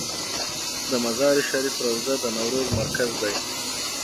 د مزار شریف روضه د نوروز مرکز دی